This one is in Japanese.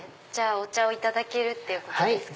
お茶をいただけるってことですか。